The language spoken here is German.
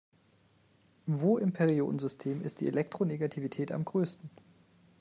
Wo im Periodensystem ist die Elektronegativität am größten?